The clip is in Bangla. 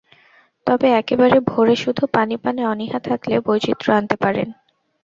তবে একেবারে ভোরে শুধু পানি পানে অনীহা থাকলে বৈচিত্র্য আনতে পারেন।